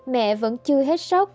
mẹ vẫn chưa hết sốc